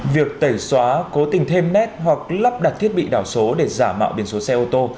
việc tẩy xóa cố tình thêm nét hoặc lắp đặt thiết bị đảo số để giả mạo biển số xe ô tô